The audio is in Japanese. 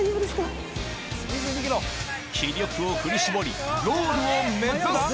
気力を振り絞りゴールを目指す！ＯＫ！